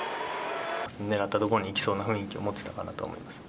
狙ったところにいきそうな雰囲気を持っていたかなと思います。